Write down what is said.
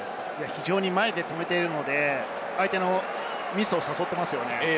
非常に前で止めているので相手のミスを誘っています。